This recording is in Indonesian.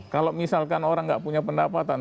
kalau misalkan orang nggak punya pendapatan